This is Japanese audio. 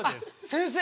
先生